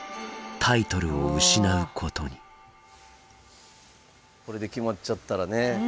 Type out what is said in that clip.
タイトルを失うことにこれで決まっちゃったらね。